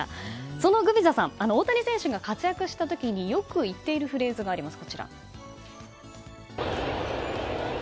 そのグビザさん大谷選手が活躍した時によく言っているフレーズがあります。